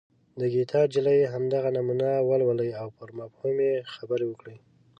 د ګیتا نجلي همدغه نمونه ولولئ او پر مفهوم یې خبرې وکړئ.